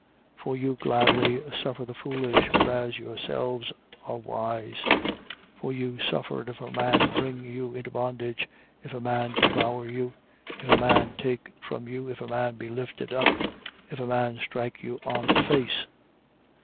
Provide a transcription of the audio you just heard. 11:19. For you gladly suffer the foolish: whereas yourselves are wise. 11:20. For you suffer if a man bring you into bondage, if a man devour you, if a man take from you, if a man be lifted up, if a man strike you on the face.